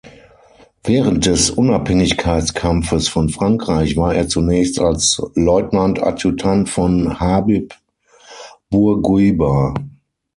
Während des Unabhängigkeitskampfes von Frankreich war er zunächst als Leutnant Adjutant von Habib Bourguiba.